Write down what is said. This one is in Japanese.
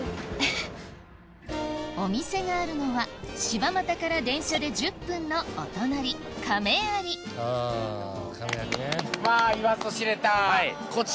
お店があるのは柴又から電車で１０分のお隣亀有言わずと知れた。